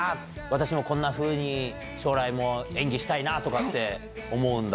私もこんなふうに将来演技したい！って思うんだ。